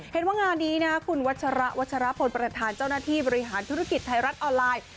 เห็นว่างานนี้นะคุณวัชระวัชรพลประธานเจ้าหน้าที่บริหารธุรกิจไทยรัฐออนไลน์